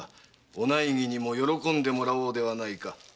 お内儀にも喜んでもらおうではないか。